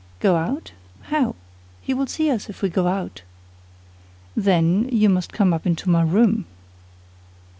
"Go out? How? He will see us if we go out." "Then you must come up into my room."